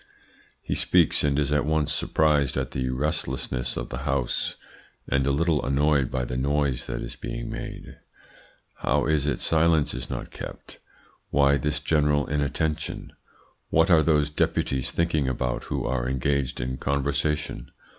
"He speaks, and is at once surprised at the restlessness of the House, and a little annoyed by the noise that is being made. "How is it silence is not kept? Why this general inattention? What are those Deputies thinking about who are engaged in conversation?